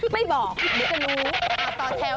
ไม่บอกไม่ทราบ